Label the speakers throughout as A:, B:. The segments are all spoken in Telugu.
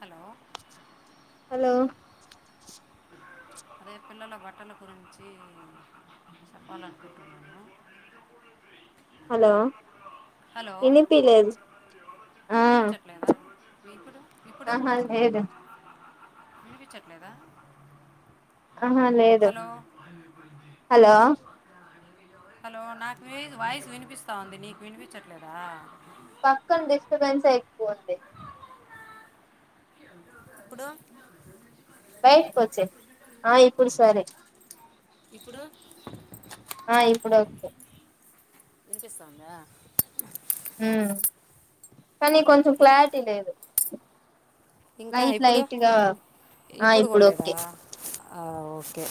A: హలో
B: హలో
A: అదే పిల్లల బట్టల గురించి చెప్పాలనుకుంటున్నాను
B: హలో
A: హలో
B: ఇనిపిలేదు ఆ
A: వినిపించట్లేదా ఇప్పుడు ఇప్పుడు
B: ఆహా లేదు
A: వినిపించట్లేదా
B: ఆహా లేదు
A: హలో
B: హలో
A: హలో నాకు వాయిస్ వినిపిస్తా ఉంది నీకు వినిపించట్లేదా
B: పక్కన డిస్టబెన్స్ ఏ ఎక్కువ ఉంది
A: ఇప్పుడు
B: బయటకు వచ్చే ఆ ఇప్పుడు సరే
A: ఇప్పుడు
B: ఆ ఇప్పుడు ఓకే
A: వినిపిస్తాందా
B: ఉ కానీ కొంచెం క్లారిటీ లేదు
A: ఇంకా
B: లైట్
A: ఇప్పుడు
B: లైట్ గా ఆ
A: ఇప్పుడు కూడాలేదా
B: ఓకే
A: ఆ ఓకే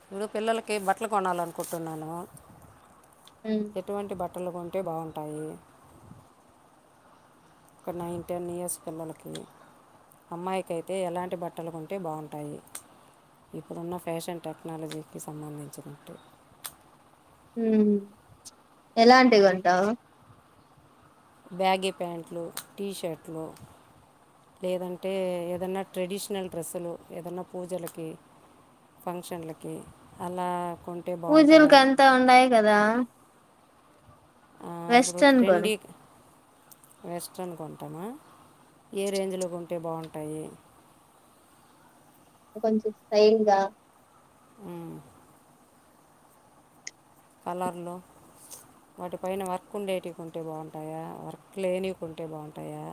A: ఇప్పుడు పిల్లలకి బట్టలు కొనాల అనుకుంటున్నాను
B: ఉమ్
A: ఎటువంటి బట్ట బట్టలు కొంటే బాగుంటాయి ఒక నైన్ టెన్ ఇయర్స్ పిల్లలకి అమ్మాయికయితే ఎలాంటి బట్టలు కొంటే బాగుంటాయి ఇప్పుడున్న ఫ్యాషన్ టెక్నాలజీకి సంబంధించినే
B: ఉ ఎలాంటివి కొంటావు
A: బ్యాగి ప్యాంట్లు టీషర్ట్లు లేదంటే ఏదన్నా ట్రెడిషనల్ డ్రెస్సులు ఏదన్నా పూజలకి ఫంక్షన్లకి అలా కొంటే
B: పూజలుకి
A: బాగుంటాయా
B: అంతా ఉన్నాయి కదా
A: ఆ ఇప్పుడు
B: వెస్ట్రన్ కొను
A: ట్రెండీ వెస్ట్రన్ కొంటామా ఏ రేంజ్లో కొంటే బాగుంటాయి
B: కొంచెం స్టైల్ గా
A: ఆ కలర్లు వాటిపైన వర్క్ ఉండేటివి కొంటే బాగుంటాయా వర్క్ లేనివి కొంటే బాగుంటాయా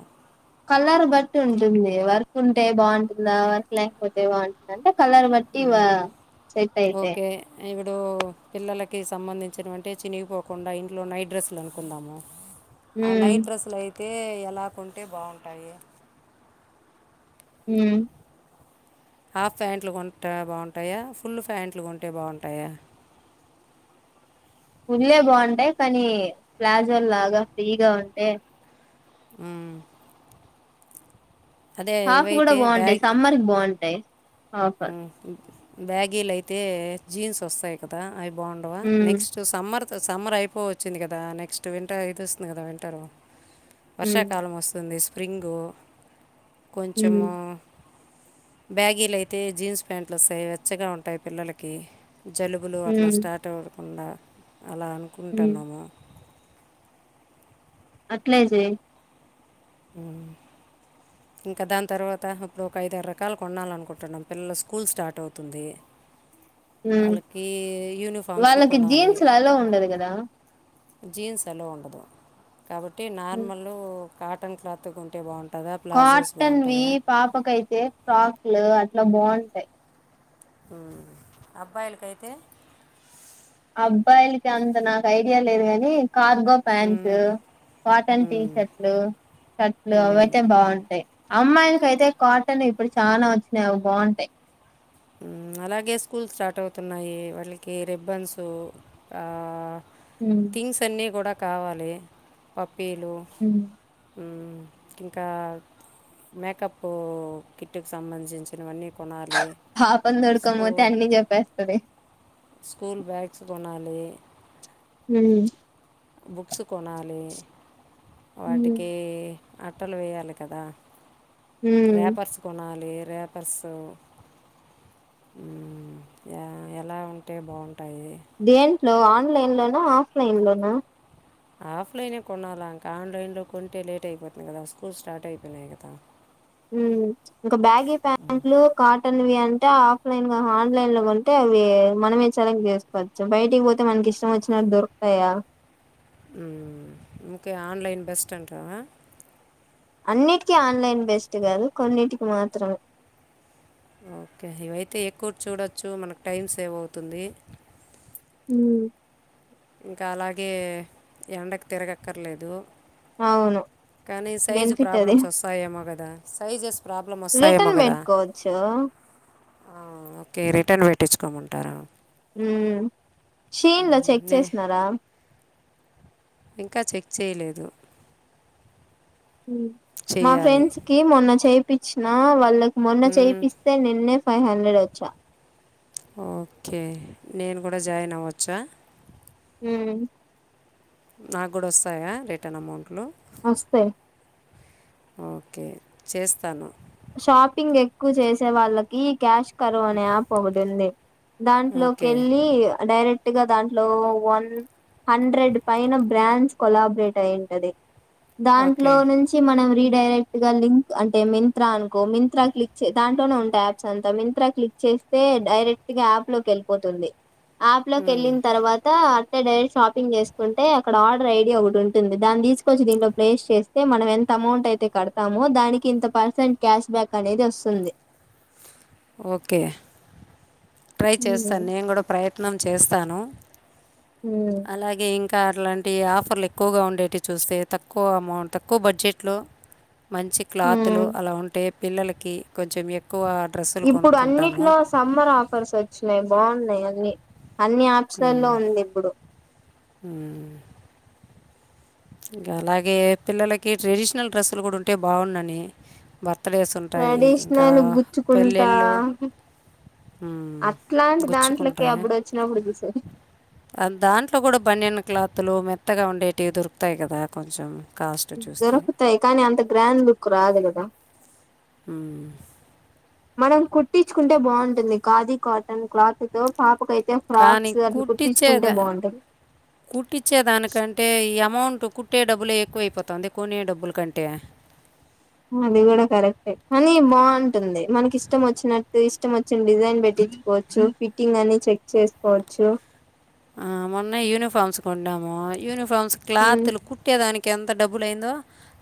B: కలర్ బట్టి ఉంటుంది వర్క్ ఉంటే బాగుంటుందా వర్క్ లేకపోతే బాగుంటుందా అంటే కలర్ బట్టి వ సెట్ అయితే
A: ఇప్పుండు పిల్లలకి సంబంధించిన అంటే చినిగిపోకుండా ఇంట్లో నైట్ డ్రెస్సులు అనుకున్నాము ఆ
B: హ్మ్
A: నైట్ డ్రెస్సులు అయితే ఎలా కొంటే బాగుంటాయి
B: హ
A: హాఫ్ ప్యాంట్లు కొంటా బాగుంటాయా ఫుల్ ప్యాంట్లు కొంటే బాగుంటాయా
B: ఫుల్లే బాగుంటాయి కానీ ప్లాజో లాగా ఫ్రీగా ఉంటే
A: మ్మ్ అదే
B: హాఫ్ కూడా
A: ఇవైతే బ్యాగ్
B: బాగుంటాయి సమ్మర్ కి బాగుంటాయి
A: బ్యాగీలు అయితే జీన్స్ వస్తాయి కదా అవి బాగుండవా
B: హ్మ్
A: నెక్స్ట్ సమ్మర్ సమ్మర్ అయిపో వచ్చింది కదా నెక్స్ట్ వింటర్ ఇదిొస్తుంది కదా వింటరు
B: హ్మ్
A: వర్షాకాలం వస్తుంది స్ప్రింగు
B: హ్మ్
A: కొంచెము బ్యాగీలుయితే జీన్స్ ప్యాంట్లు వస్తాయి వెచ్చగా ఉంటాయి పిల్లలకి జలుబులు అట్లా
B: హ్మ్
A: స్టార్ట్ అవ్వకుండా అలా
B: హ్మ్
A: అనుకుంటున్నాము
B: అట్లేజే
A: మ్మ్ ఇంకా దాని తర్వాత ఇప్పుడు ఒక ఐద ఆరు రకాాల కొండాలనుకుంటున్నాం పిల్లలు స్కూల్ స్టార్ట్ అవుతుంది వాళ్ళకి యూనిఫామ్స్
B: వాళ్ళకి
A: కొనాలి
B: జీన్స్ లో ఉండదు కదా
A: జీన్స్ అల్లఓ ఉండదు కాబట్టి నార్మల్ కాటన్ క్లాత్ ఉంటే బాగుంటుంది
B: కాటన్వి పాపకైతే ఫ్రాక్లు అట్లా బాగుంటాయి
A: అబ్ బాయిలుక అతే
B: అబ్బాయిలకి అంత నాకు ఐడియా లేదు గాని కార్గో ఫ్యాన్స్ కాటన్ టీషర్ట్లు షర్ట్లు అవయితే బాగుంటాయి అమ్మాయిలకి అయితే కాటన్ ఇప్పుడు చానా వచ్చినాయి అవి బాగుంటాయి
A: అలాగే స్కూల్ స్టార్ట్ అవుతున్నాయి వాళ్ళకి రిబ్బన్సు ఆ
B: ఉమ్
A: థింగ్స్ అన్నీ కూడా కావాలి పప్పీలు
B: ఉమ్
A: మ్ ఇంకా మేకప్ కిట్టుకు సంబంధించినవన్నీ కొనాలి
B: హా ప
A: స్కూ
B: ధొడకమోత అన్ని జప్పేస్తంది
A: స్కూల్ బ్యాగ్స్ కొనాలి
B: హ
A: బుక్స్ కొనాలి
B: ఉమ్
A: వాటికి అట్టలు వేయాలి కదా
B: ఉమ్
A: రేపర్స్ కొనాలి ఏ రప్పర్స్ ఎలా ఉంటే బాగుంటాయి
B: దేంట్లో ఆన్లైన్ లోనా ఆఫ్లైన్ లోనా
A: ఆఫ్లైనే కొనాలాంక ఆన్లైన్లో కొంటే లేట్ అయిపోతుంది కదా స్కూల్ స్టార్ట్ అయిపోయినాయి కదా
B: ఇంకా బ్యాగ ప్యాంట్లు కాటన్ వ్యాం ఆఫ్లైన్ గా ఆన్లైన్ లో ఉంటే అవి మనమే సెలెక్ట్ చేసుకోవచ్చు బయటికి పోతే మనకి ఇష్టం వచ్చిన దొరుకుతాయా
A: ఇకే ఆన్లైన్ బెస్ట్ అంటావా
B: అన్నిటికీ ఆన్లైన్ బెస్ట్ కాదు కొన్నిటికి మాత్రమే
A: ఓకే ఇవైతే ఎక్కువ చూడొచ్చు మనకు టైం సేవ్ అవుతుంది
B: మ్
A: ఇంక అలాగే ఎండక్ తిరగక్కర్లేదు.
B: అవును
A: కానీ సైజు
B: బెనిఫిట్ అది
A: ప్రాబ్లమ్స్ వస్తాయేమో కదా సైజెస్ ప్రాబ్లం వస్తాయేమో
B: రిటర్న్
A: కదా
B: పెట్టుకోవచ్చు
A: ఆ ఓకే రిటర్న్ పెట్టిచ్చుకోమంటారా
B: మ్ షీన్ల చెక్
A: నే
B: చేసినారా
A: ఇంకా చెక్ చేయలేదు.
B: మా
A: చేయాలి
B: ఫ్రెండ్స్కి మొన్న చేపిచ్చిన వాళ్ళక్ మొన్న
A: మ్మ్.
B: చేపిస్తే నిన్నే ఫైవ్ హండ్రెడ్ వచ్చా
A: ఓకే నేన్ గుడా జాయిన్ అవ్వచ్చా?
B: మ్
A: నాక్ గుడా వస్తాయా రిటర్న్ అమౌంట్లు
B: వస్తయి
A: ఓకే చేస్తాను.
B: షాపింగ్ ఎక్కు చేసే వాళ్ళకి క్యాష్ కరు అనే యాప్ ఒకటి ఉంది.
A: ఓకే
B: దాంట్లోకెళ్ళి డైరెక్ట్ ఇగ దాంట్లో వన్ హండ్రెడ్ పైన బ్రాండ్స్ కొలాబ్రేట్ అయింటది.
A: ఓకే
B: దాంట్లో నుంచి మనం రీడైరెక్ట్గా లింక్ అంటే మిన్ త్తా అనుకో మింత్రా క్లిక్ చే దాంతోనే ఉంటయి యాప్స్ అంత మింత్రా క్లిక్ చేస్తే డైరెక్ట్ అప్లోకే ళ్ళిపోతుంది. ఆప్లోకెళ్ళిన్ తర్వాత అయితే డైరెక్ట్ షాపింగ్ చేస్కుంటే అక్కడ ఆర్డర్ ఐడి ఒకటుంటుంది. దాన్ తీస్కొచ్చి దీట్లో ప్లేస్ చేస్ తే మనం ఎంత అమౌంట్ అయితే కడ్తామో దానికి ఇంత పర్సెంట్ క్యాష్ బ్యాక్ అనేది వస్తుంది.
A: ఓకే ట్రై చేస్తాన్
B: ఉమ్
A: నేన్ కూడా ప్రయత్నం చేస్తాను.
B: ఉమ్,
A: అలాగే ఇం కా అలాంటి ఆఫర్ల్ ఎక్కువగా ఉండేటి చూస్తే తక్కువ అమౌంట్ తక్కువ బడ్జెట్లో మంచి క్లాత్లు
B: ఉమ్.
A: అలా ఉంటే పిల్లలకి కొంచెం ఎ
B: ఇప్పుడు అన్నిట్లో సమ్మర్ ఆఫర్స్ వచ్చినయి బాగున్నయి అన్నీ అన్ని అప్స్లల్లో
A: ఉమ్,
B: ఉంది ఇప్పుడు.
A: ఉమ్. ఇంకా అలాగే పిల్లలకి ట్రెడిషనల్ డ్రెస్సులు గుడా ఉంటే బాగుండని త్తలేస్ ఉంటాయి. ఇంకా
B: ట్రెడిషనల్ గుచ్చుకుంటా
A: పెళ్ళిళ్ళు హ్
B: అట్లాంటి దాంట్లకి
A: గుచ్చుకుంటాయా?
B: అప్పుడు వచ్చినప్పుడు చూసేది
A: దాంట్లో కూడా బనియన్ క్లాతులు మెత్తగా ఉండేటివి దొరుకుతాయి కదా కొంచం
B: దొరుకుతయి కానీ అంత గ్రాండ్ లుక్ రాదు కదా
A: హ్
B: మనం కుట్టించుకుంటే బాగుంటుంది. ఖాదీ, కాటన్ క్లాత్తో పాపకై
A: కానీ కుట్టించేద కుట్టించేదానికంటే ఈ అమౌంట్ టు కుట్టే డబ్బులే ఎక్కువైపోతంది కొనే డబ్బుల్ కంటే
B: అది గుడా కరెక్టే కాని బాగుంటుంది. మనక్ ఇష్టం వచ్చినట్టు ఇష్టం వచ్చిన డిజైన్ పెట్టి పెట్టిచ్చుకోవచ్చు. ఫిట్టింగ్ అని చెక్ చేస్కోవచ్చు.
A: ఆ మొన్న యూనిఫార్మ్స్ కొన్నాము. యూనిఫామ్స్
B: ఉమ్
A: క్లాత్లు కుట్టేదానిక్ ఎంత డబ్బులైందో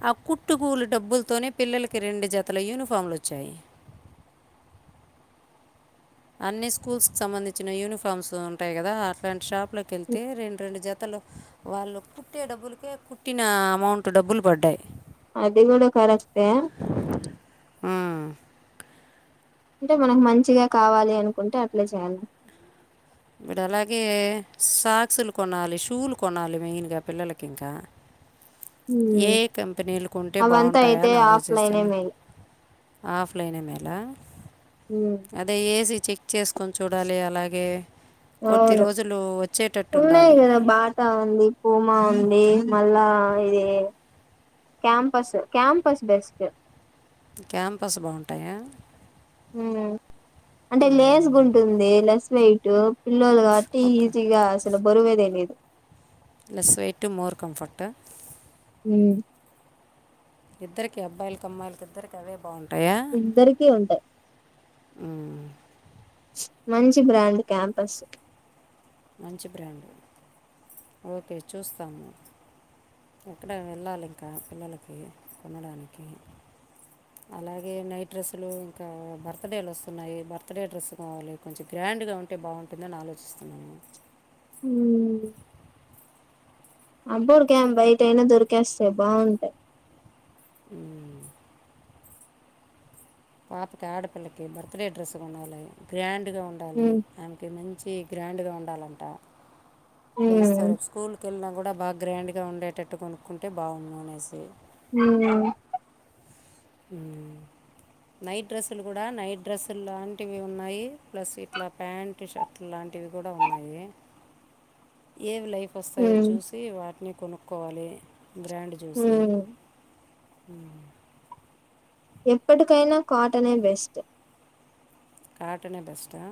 A: ఆ కుట్టు కూలి డబ్బుల్తోనే పిల్లల్కి రెండు జతల యూనిఫామ్లు వచ్చాయి. అన్ని స్కూల్స్క్ సంబంధించిన యూనిఫార్మ్స్ ఉంటాయి కదా అట్లాంటి షాప్లోకెళ్తే రెండు రెండు జ తలు వాళ్ళు కుట్టే డబ్బుల్కే కుట్టిన అమౌంట్ డబ్బులు పడ్డాయి.
B: అది కూడా కరెక్టే
A: ఆ
B: అంటే మనకు మంచిగా కావాలి అనుకుంటే అట్లే చేయాలి
A: మీడు అలాగే సాక్సులు కొనాలి షూలు కొనాలి మెయ్ న్గా పిల్లలకి ఇంకా ఏ
B: ఉమ్
A: కంపెనీలుకుంటే
B: అవంతా
A: బాఉంటాయా
B: అయితే ఆఫ్లైనే
A: ఆలోచిస్తున
B: మేలు
A: ఆఫ్ లైనే మేల
B: ఉమ్
A: అదే ఏజి చెక్ చేసుకొని చూడాలి అలాగే కొద్ది
B: ఔను
A: రోజులు వచ్చేటట్టు
B: ఉన్నాయ్
A: ఉండాలి
B: కదా బాటా ఉంది పూమా ఉంది మళ్ళా ఇది క్యాంపసు క్యాంపస్ బెస్టు
A: క్యాంపస్ బాఉంటాయా
B: ఉమ్ అంటే లేసుగుంటుంది లెస్ వెయిటు పిల్లోలుగావట్టి
A: ఓకే
B: ఈజీగా అసలు బరువే తెలీదు
A: లేస్ వెయిట్టు మోర్ కంఫట్ట
B: ఉమ్
A: ఇద్దర్కి అబ్బాయ్ల్ కమ్మయ్ల్ కిద్దర్కి అదేబ్
B: ఇద్దరికీ ఉంటయ్
A: ఉమ్
B: మంచి బ్రాండ్ క్యాంపస్
A: మంచి బ్రాండు ఓకే చూస్తాము ఎక్కడ వెళ్ళాలి ఇంకా పిల్లలకి కొనడానికి అలాగే నైట్ డ్రస్సులు ఇంకా బర్త్ డేలు వోస్తున్నాయి బర్త్ డే డ్రస్ కావాలి కొంచ గ్రాండ్ నిండుగా ఉంటే బాఉంటుందని ఆలోచిస్తున్నాను
B: ఉమ్ అబ్బోడుకేం బైటేనా దొరికేస్తయ్ బాఉంటాయ్
A: ఉమ్ పాప్ క్యాడపిల్లకి బర్త్ డే డ్రస్ గోనాలే గ్రాండ్ నిండు గాఉండాలి
B: ఉమ్
A: ఆమ్ కీ మంచి గ్రాండ్ గా ఉండాలంట ఫ్రెండ్స్ తో
B: ఉమ్
A: రేప్ స్కూల్ కేళ్ళినా గుడా బా గ్రాండ్ గా ఉండేటట్టు కొనుక్కుంటే బాఉన్ అనేసి
B: ఉహుమ్
A: ఉమ్ నైట్ డ్రస్సులు గుడా నైట్ డ్రస్సుల్ లాంటివే ఉన్నాయి ప్లస్ ఇట్లా ప్యాంట్ షర్ట్లు లాంట్ టివి గుడా ఉన్నాయి ఏవ్ లైవ్ ఫాస్ ఐ
B: ఉమ్
A: చూసి వాట్నీ కొనుక్కోవాలి గ్రాండ్ జూసి
B: ఉమ్
A: ఉమ్
B: ఎప్పటికైనా కాటనే బెస్టు
A: కాటనే బెస్ట్ ఆ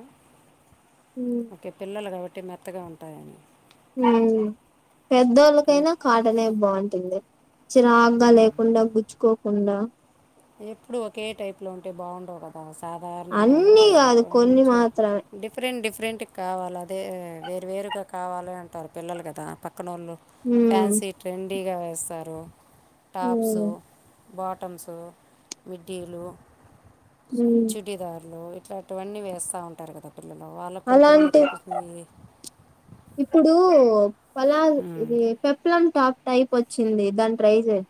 B: ఉమ్
A: ఓకే పిల్లలు గాబట్టి మెత్తగా ఉంటాయని
B: ఉమ్
A: కానీ
B: పెద్దోళ్ళకైనా కాటనే బాఉంటుంది చిరాగ్ గా
A: ఉమ్,
B: లేకుండా గుచ్చుకోకుండా
A: ఎప్పుడు ఒకే టైప్ లో ఉంటే బాఉండవు గదా అస్ సాధారణంగా
B: అన్నీ
A: ఉండకుండా
B: కాదు కొన్ని
A: కొంచమ్
B: మాత్రమే
A: డిఫరెంట్ డిఫరెంట్ కావాలదే వేరు వేరుగా కావాలి అంటారు పిల్లలు కదా పక్కనోళ్ళు
B: ఉమ్
A: ఫ్యాన్సీ ట్రెండ్ డీగా వేస్సరు టాప్స్
B: ఉమ్
A: బాటమ్స్ మిడ్డీలు
B: ఉమ్
A: చుడిదార్లు ఇట్లాంటివన్నీ వేస్త ఉంటారు కదా పిల్లలు వాళ్ళక్ కూడా పిల్లల్క్
B: అలాంటి
A: అన్ పిసుంది
B: ఇప్పుడు పలాద్
A: ఉమ్,
B: ఇది పెప్లం టాప్ టైప్ వచ్చింది దాని ట్రై చేయ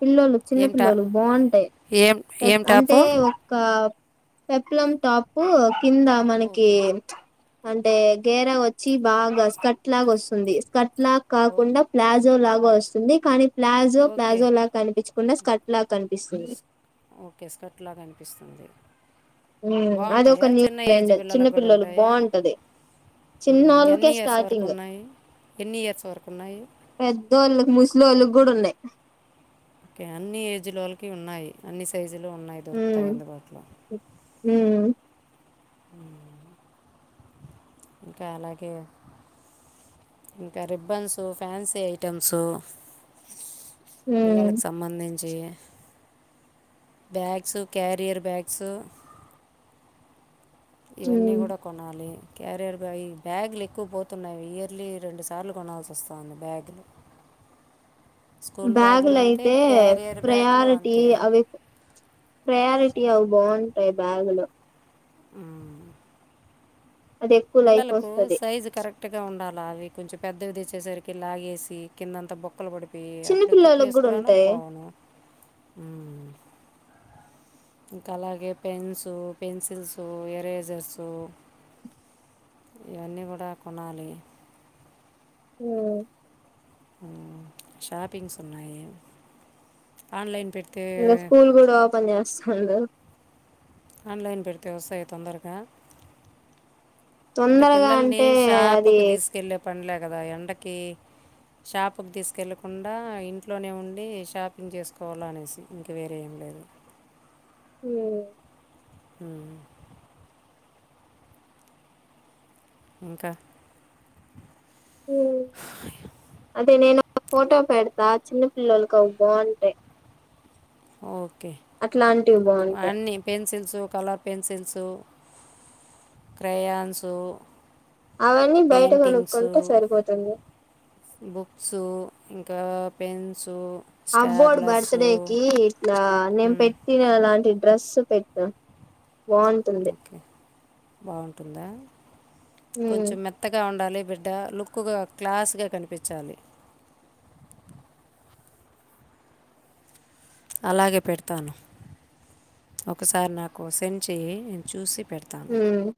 B: పిల్లోలు చిన్న
A: ఏం టా
B: పిల్లోలు బావుంటాయి
A: ఏం ఏం
B: అంటే
A: టాపు
B: ఒక పెప్లం టాపు కింద మనకి
A: ఓకే
B: అంటే గేరా వచ్చి బాగా స్కట్ లాగ్ వస్తుంది. స్కట్ లాగ్
A: ఓ
B: కాకుండా ప్లాజ్ జో లాగా వస్తుంది కానీ ప్లాజో
A: ఓకే
B: ప్లాజో లాగా కనిపించకుండా స్కట్ లా
A: ఓకే స్కర్ట్ లాగా అనిపిస్తుంది.
B: మ్ అది
A: బాగుంటాయా
B: ఒక న్యూ
A: చిన్న ఏజ్
B: ఫండ్ చిన్న పిల్లలు బావుంటది.
A: మ్ ఎన్ని ఇయర్స్ వరకు ఉన్నాయి? ఎన్ని ఇయర్స్ వరకు ఉన్నాయి
B: పెద్దోళ్ళకి, ముస్లిళ్ళకి కూడా ఉన్నాయి.
A: ఓకే అన్ని ఏజ్లోళకి ఉన్నాయి. అన్ని సైజులు ఉన్నాయి దొరుకుతాయి
B: ఉమ్
A: అందుబాటులో
B: ఉమ్
A: ఇంకా అలాగే ఇంకా రిబ్బన్సు, ఫ్యాన్సీ ఐటమ్స్
B: ఉమ్
A: పిల్లలకు సంబంధిం చే బ్యాగ్స్, క్యరియర్ బ్యాగ్స్ ఇవన్నీ
B: ఉమ్,
A: కూడా కొనాలి. క్యారియర్ బేయిన్ బ్యాగు్లు ఎక్కువ పోతున్నాయి. ఇయర్లీ రెండు సార్లు కొనాల్సి వస్తుంది బ్యాగులు స్కూల్ బ్యాగులు అంతే
B: బ్యాగులుయితే
A: క్యారియర్ బ్యాగులు
B: ప్రయారిటీ
A: అంతే
B: అవి ప్రయారిటీ అవి బావుంటాయి బ్యాగులు
A: ఆ
B: అది ఎక్కువ లైఫ్
A: పిల్లలకు
B: వస్తది
A: సైజు కరెక్ట్ గా ఉండాలి. లావి కొంచెం పెద్దవిదిచ్చేసరికి లాగేసి కిందంత బొ క్కలు పడిపోయి
B: చిన్న
A: అందుకు కుట్లు
B: పిల్లలకి కూడా
A: వేసుకురాను
B: ఉంటాయి
A: పోవను ఉమ్ ఇంకా అలాగే పెన్సు, పెన్సిల్సు, ఎరేజర్సు ఇవన్నీ కూడా కొనాలి
B: హ
A: షాపింగ్స్ ఉన్నాయి ఆన్లైన్ పెట్
B: ఇంగా స్కూల్ కూడా ఓపెన్ చేస్తుండు
A: ఆన్లైన్ పెడితే వస్తాయి తొందరగా అంటే
B: తొందరగా
A: పిల్లల్ని
B: అంటే అది
A: షాపుకు తీసుకెళ్ళే పనిలే కదా ఎండకి షాపుకి తీసుకెళ్ళకుండా ఇంట్లోనే ఉండి షాపింగ్ చేసుకోవాల అనేసి ఇంక వేరే ఏం లేదు.
B: మ్
A: హ ఇంకా
B: ఉ అదే నేను ఫోటో పెడతా చిన్న పిల్లోలకు అవి బావుంటాయి.
A: ఓకే
B: బాగుంటాయి
A: అన్ని పెన్సిల్సు, కలర్ పెన్సిల్సు క్రయాన్సు
B: అవన్నీ బయట
A: పెయింటింగ్సు,
B: కొనుక్కుంటే సరిపోతుంది
A: బుక్స్ ఇం కా పెన్సు
B: అబ్బోడు బర్త్ డేకి ఇట్లా నేను పెట్టినా అలాంటి డ్రస్ పెట్టిన బావుంటుంది.
A: బావుంటుందా
B: ఉమ్
A: కొంచెం మెత్తగా ఉండాలి. బిడ్డా లుక్గ క్లాస్గా కనిపిచ్చాలి. అలాగే పెడ్తాను ఒకసారి నాకు సెండ్ చెయ్ నే చూసి పెడ్తాను.
B: ఉమ్